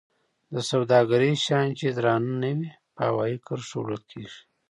د سوداګرۍ شیان چې درانه نه وي په هوایي کرښو وړل کیږي.